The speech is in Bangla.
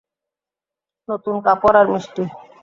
নতুন কাপড় আর মিষ্টি?